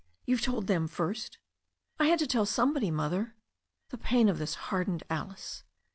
"You've told them first !" "I had to tell somebody. Mother." The pain of this hardened Alice.